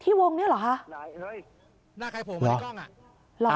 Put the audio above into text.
ที่วงนี่เหรอ